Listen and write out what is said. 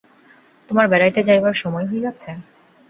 তোমার বেড়াইতে যাইবার সময় হইয়াছে।